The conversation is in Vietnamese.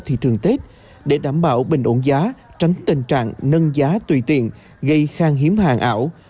cung ứng hết để đảm bảo bình ổn giá tránh tình trạng nâng giá tùy tiền gây khan hiếm hàng ảo